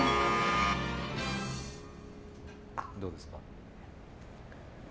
どうですか？